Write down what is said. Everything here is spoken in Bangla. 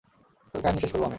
তোর কাহিনী শেষ করবো আমি!